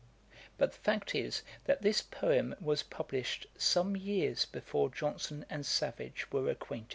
But the fact is, that this poem was published some years before Johnson and Savage were acquainted.